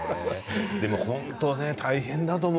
本当に大変だと思う。